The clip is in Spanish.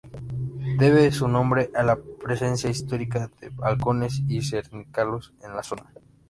Debe su nombre a la presencia histórica de halcones y cernícalos en la zona.